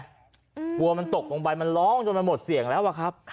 กลัวมันตกลงไปมันร้องจนมันหมดเสียงแล้วอะครับ